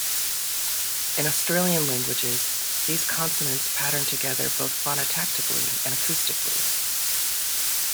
In Australian languages, these consonants pattern together both phonotactically and acoustically.